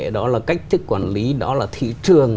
đó là cách thức quản lý đó là thị trường